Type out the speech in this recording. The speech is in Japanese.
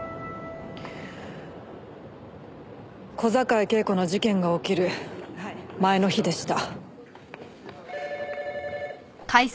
小坂井恵子の事件が起きる前の日でした。